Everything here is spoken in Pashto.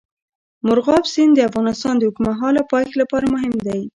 مورغاب سیند د افغانستان د اوږدمهاله پایښت لپاره مهم دی.